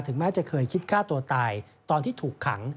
แม้จะเคยคิดฆ่าตัวตายตอนที่ถูกขัง